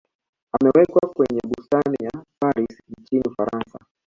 amewekwa kwenye bustani ya paris nchini ufaransa